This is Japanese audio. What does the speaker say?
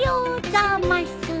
ざます。